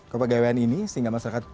kekegawaian ini sehingga masyarakat